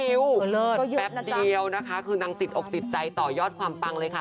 เหลือเลิศก็เยอะนะจ๊ะแป๊บเดียวนะคะคือนางติดอกติดใจต่อยอดความปังเลยค่ะ